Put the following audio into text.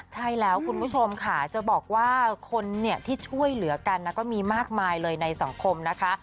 ใช่แล้วคุณผู้ชมค่ะจะบอกว่าคนที่ช่วยเหลือกันนะก็มีมากมายเลยในสังคมนะคะ